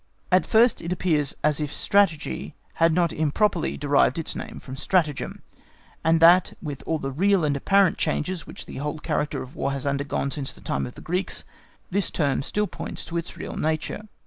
At first sight it appears as if Strategy had not improperly derived its name from stratagem; and that, with all the real and apparent changes which the whole character of War has undergone since the time of the Greeks, this term still points to its real nature.